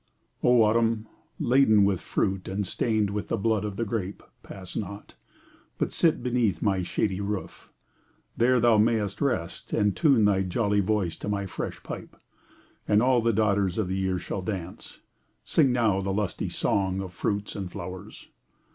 O AUTUMN", laden with fruit, and stain'd With the blood of the grape, pass not, but sit Beneath my shady roof, there thou mayst rest, And tune thy jolly voice to my fresh pipe, And all the daughters of the year shall dance ! Sing now the lusty song of fruits and flowers.